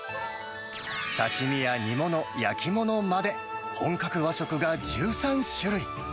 刺身や煮物、焼き物まで、本格和食が１３種類。